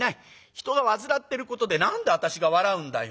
人が煩ってることで何で私が笑うんだよ。